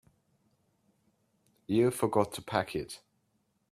You forgot to pack it.